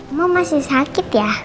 oma masih sakit ya